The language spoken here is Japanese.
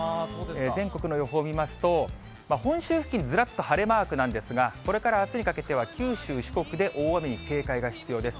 全国の予報を見ますと、本州付近、ずらっと晴れマークなんですが、これからあすにかけては九州、四国で大雨に警戒がい必要です。